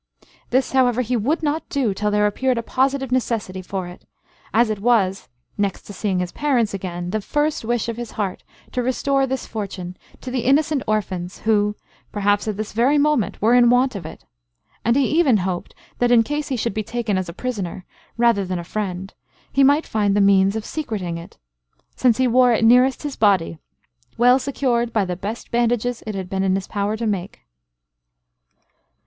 This however he would not do, till there appeared a positive necessity for it, as it was (next to seeing his parents again) the first wish of his heart to restore this fortune to the innocent orphans, who, perhaps, at this very moment were in want of it; and he even hoped, that in case he should be taken as a prisoner, rather than a friend, he might find the means of secreting it, since he wore it nearest his body, well secured by the best bandages it had been in his power to make.